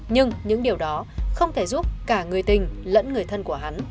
nhưng những điều đó không thể giúp cả người tình lẫn người thân của hắn